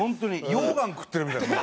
溶岩食ってるみたいなもん。